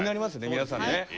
皆さんね。